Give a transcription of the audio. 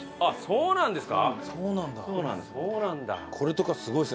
そうなんですか。